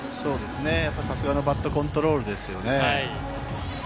さすがのバットコントロールですよね。